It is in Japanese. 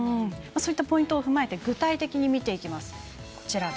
そういったポイントを踏まえて具体的に見ていきます。